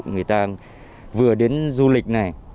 người ta vừa đến du lịch này